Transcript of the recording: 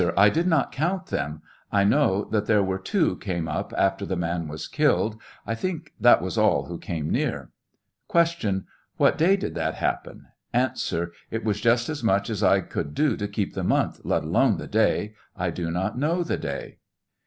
I did not count them ; I know that there were two came up after the man was killed. I think that was all who came near. Q. What day did that happen ? A. It was just as much as I could do to keep the month, let alone the day. I do not know the day.